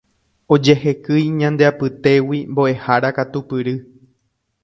ojehekýi ñande apytégui mbo'ehára katupyry